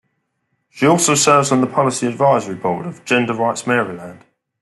She also serves on the Policy Advisory Board of Gender Rights Maryland.